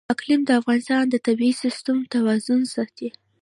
اقلیم د افغانستان د طبعي سیسټم توازن ساتي.